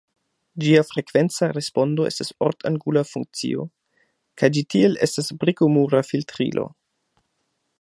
Ĝia frekvenca respondo estas ortangula funkcio, kaj ĝi tiel estas briko-mura filtrilo.